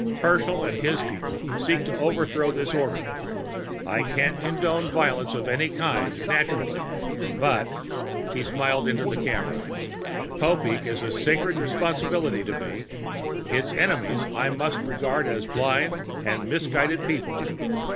Herschel and his people seek to overthrow this order. I can't condone violence of any sort, naturally, but" he smiled into the camera "Popeek is a sacred responsibility to me. Its enemies I must regard as blind and misguided people."